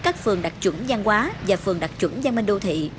các phường đạt chuẩn gian hóa và phường đạt chuẩn gian minh đô thị